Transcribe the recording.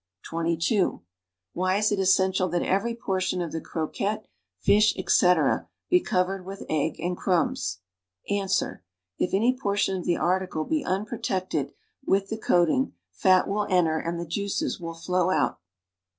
(22) Why is it essential that every portion of the croquette, fish, etc., be cov ered with egg and crumbs.'' Ans. If any portion of the article be unprotected with the coat ing, fat will enter and the juices will flow out.